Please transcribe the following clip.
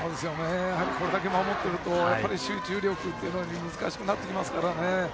これだけ守ってると集中力というのが難しくなってきますからね。